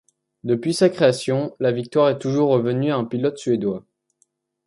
Depuis sa création, la victoire est toujours revenue à un pilote suédois.